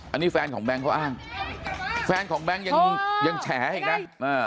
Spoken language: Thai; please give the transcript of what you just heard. อันนี้แฟนของแบงค์เขาอ้างแฟนของแบงค์ยังแฉอีกนะ